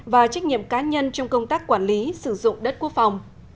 và trách nhiệm cá nhân trong công tác quản lý sử dụng đất quốc phòng